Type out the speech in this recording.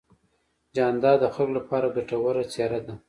جانداد د خلکو لپاره ګټور څېرہ دی.